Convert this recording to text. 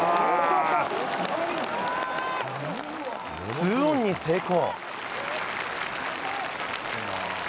２オンに成功。